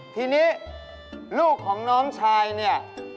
ทีนี้ลูกของน้องชายเนี่ย